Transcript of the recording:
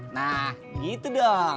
nah gitu dong